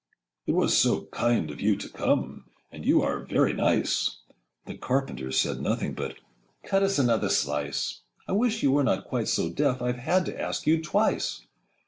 'It was so kind of you to come! Â Â Â Â And you are very nice!' The Carpenter said nothing but Â Â Â Â 'Cut us another slice: I wish you were not quite so deaf— Â Â Â Â I've had to ask you twice!